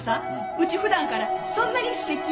うち普段からそんなにすてき？